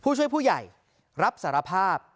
ผู้ช่วยผู้ใหญ่รับสารภาพ